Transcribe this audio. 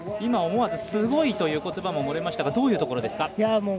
思わず、すごい！ということばも漏れましたがどういうところですか？